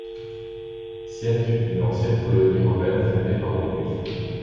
Sienne fut une ancienne colonie romaine fondée par Auguste.